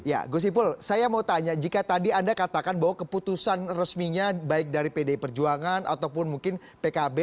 ya gus ipul saya mau tanya jika tadi anda katakan bahwa keputusan resminya baik dari pdi perjuangan ataupun mungkin pkb